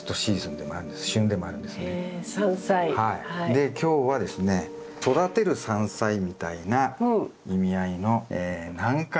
で今日はですね育てる山菜みたいな意味合いの軟化野菜という。